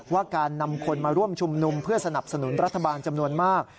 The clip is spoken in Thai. ว่าการนำคนมาร่วมชุมนุมเพื่อสนับสนุนรัฐบาลจำนวนมาก